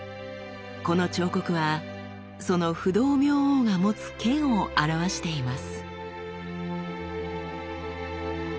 この彫刻はその不動明王が持つ剣を表しています。